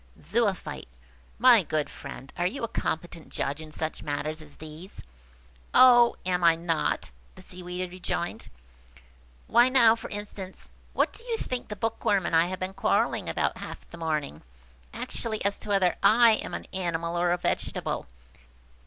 Zoophyte. "My good friend, are you a competent judge in such matters as these?" "Oh, am I not!" the Seaweed rejoined. "Why now, for instance, what do you think the Bookworm and I have been quarrelling about half the morning? Actually as to whether I am an animal or a vegetable.